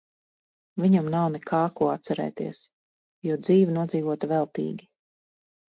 Viņam nav nekā ko atcerēties, jo dzīve nodzīvota veltīgi.